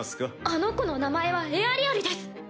あの子の名前はエアリアルです。